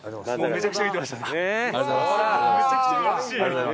めちゃくちゃうれしい！